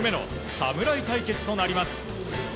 侍対決となります。